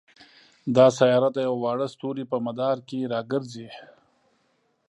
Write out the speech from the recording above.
دا سیاره د یوه واړه ستوري په مدار کې را ګرځي.